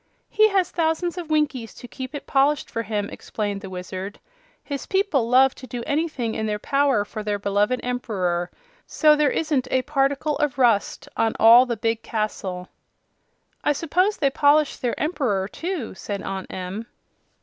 "He has thousands of Winkies to keep it polished for him," explained the Wizard. "His people love to do anything in their power for their beloved Emperor, so there isn't a particle of rust on all the big castle." "I suppose they polish their Emperor, too," said Aunt Em.